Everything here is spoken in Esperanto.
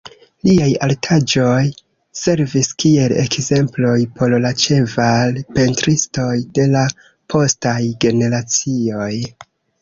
Liaj artaĵoj servis kiel ekzemploj por la ĉeval-pentristoj de la postaj generacioj.